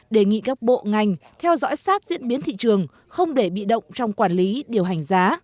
đề nghị các bộ ngành theo dõi sát diễn biến thị trường không để bị động trong quản lý điều hành giá